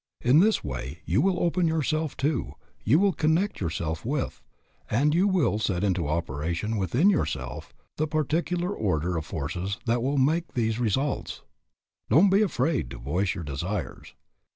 In this way you will open yourself to, you will connect yourself with, and you will set into operation within yourself, the particular order of forces that will make for these results. Don't be afraid to voice your desires.